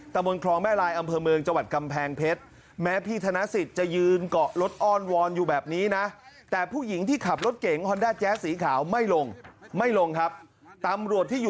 ตามวนครองแม่ลายอำเภอเมืองจวัดกำแพงเพชร